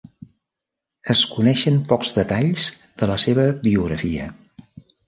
Es coneixen pocs detalls de la seva biografia.